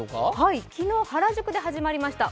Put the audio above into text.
昨日、原宿で始まりました。